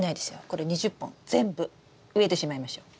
これ２０本全部植えてしまいましょう。